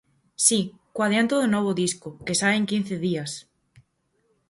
Si, co adianto do novo disco, que sae en quince días.